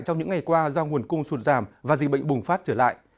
trong những ngày qua do nguồn cung sụt giảm và dịch bệnh bùng phát trở lại